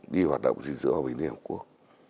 đi hoạt động di dự hòa bình liên hợp quốc